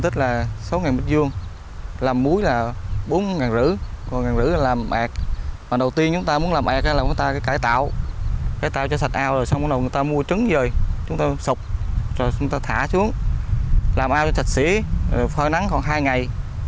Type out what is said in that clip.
thả xuống làm ao cho chật xí phơi nắng khoảng hai ngày